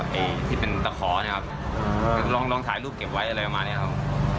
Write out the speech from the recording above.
ไอ้ที่เป็นตะขอเนี่ยครับลองถ่ายรูปเก็บไว้อะไรประมาณนี้ครับ